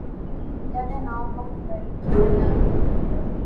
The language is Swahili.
Dada naomba kubarikiwa nawe.